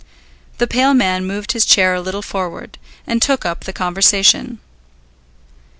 The pale man moved his chair a little forward and took up the conversation.